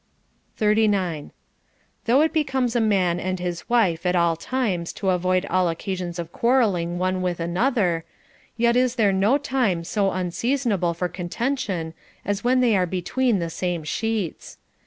* 39. Though it becomes a man and his wife at all times to avoid all occasions of quarrelling one with another, yet is there no time so unseasonable for contention as when they are between the same sheets.